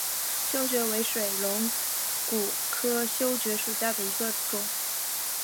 修蕨为水龙骨科修蕨属下的一个种。